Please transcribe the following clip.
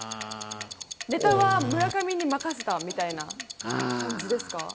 ネタは村上に任せたみたいな感じですか？